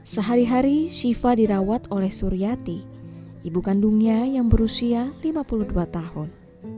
sehari hari shiva dirawat oleh suryati ibu kandungnya yang berusia lima puluh dua tahun